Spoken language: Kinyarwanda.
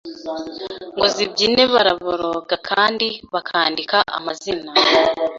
ngo zibyine Baraboroga kandi bakandika amazina